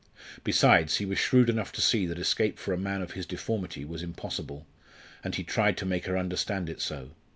Besides, he was shrewd enough to see that escape for a man of his deformity was impossible, and he tried to make her understand it so.